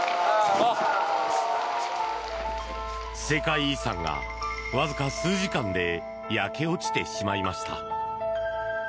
世界遺産がわずか数時間で焼け落ちてしまいました。